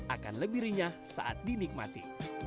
akan lebih rinyah saat dinikmati